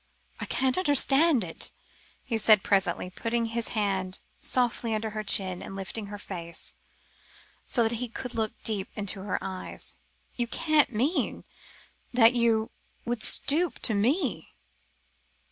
"I can't understand it," he said presently, putting his hand softly under her chin and lifting her face, so that he could look deep into her eyes; "you can't mean that you would stoop to me?"